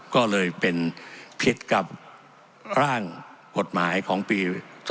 ก็เลยเป็นผิดกับร่างกฎหมายของปี๒๕๖